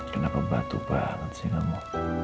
kenapa batu banget sih kamu